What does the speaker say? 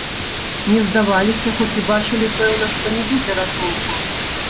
Не здаваліся, хоць і бачылі, пэўна, што не будзе ратунку.